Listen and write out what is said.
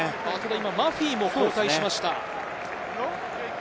マフィも交代しました。